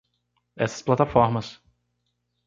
Essas plataformas